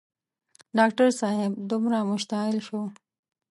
ډاکټر صاحب دومره مشتعل شو.